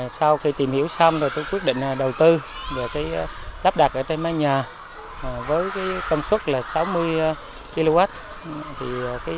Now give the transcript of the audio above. sau khi tìm hiểu xong tôi quyết định đầu tư để lắp đặt trên mái nhà với công suất sáu mươi kwhp